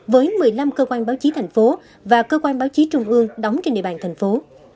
với một mươi năm cơ quan báo chí thành phố và cơ quan báo chí trung ương đóng trên địa bàn thành phố